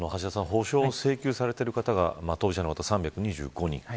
補償を請求されている方が３２５人。